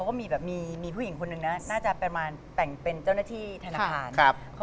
ทำไมไม่เต้นกับพี่นุ้ยอ่ะคะ